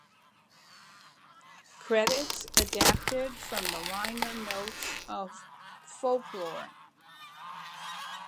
Credits adapted from the liner notes of "Folklore".